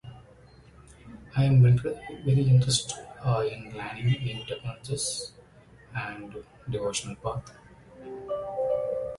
Poor ratings led to an extensive retooling of the concept.